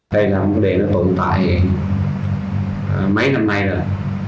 đây là một đề nó tồn tại mấy năm nay rồi